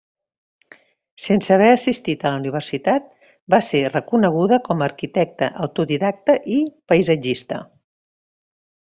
Sense haver assistit a la universitat va ser reconeguda com a arquitecta autodidacta i paisatgista.